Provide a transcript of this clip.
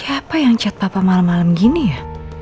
siapa yang cat papa malam malam gini ya